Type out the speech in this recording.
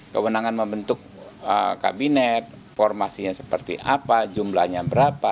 kewenangan membentuk kabinet formasinya seperti apa jumlahnya berapa